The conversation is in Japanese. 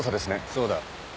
そうだ。